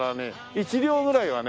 １両ぐらいはね